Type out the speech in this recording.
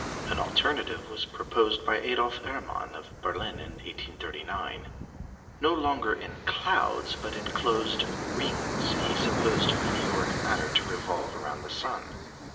An alternative was proposed by Adolf Erman of Berlin in 1839. No longer in clouds, but in closed rings, he supposed meteoric matter to revolve round the sun.